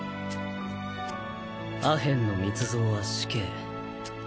アヘンの密造は死刑。